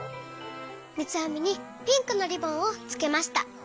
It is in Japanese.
みつあみにピンクのリボンをつけました。